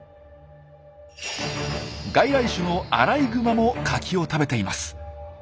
外来種のアライグマもカキを食べています。